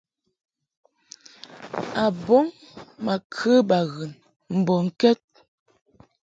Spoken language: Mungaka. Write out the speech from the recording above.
Abɔŋ ma kə baghɨn mbɔŋkɛd.